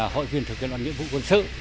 hội viên thực hiện vận nhiệm vụ quân sự